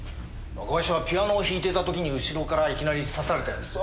ガイシャはピアノを弾いていた時に後ろからいきなり刺されたようです。